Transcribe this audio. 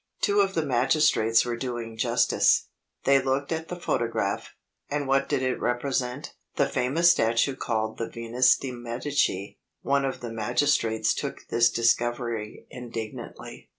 Two of the magistrates were doing justice. They looked at the photograph and what did it represent? The famous statue called the Venus de' Medici! One of the magistrates took this discovery indignantly.